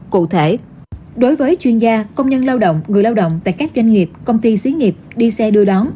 cụ thể đối với chuyên gia công nhân lao động người lao động tại các doanh nghiệp công ty xí nghiệp đi xe đưa đón